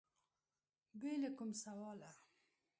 بې له کوم سواله